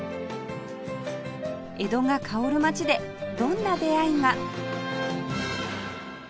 江戸が薫る街でどんな出会いが？